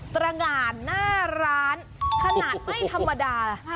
ตรงานหน้าร้านขนาดไม่ธรรมดา